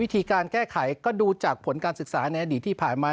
การแก้ไขก็ดูจากผลการศึกษาในอดีตที่ผ่านมา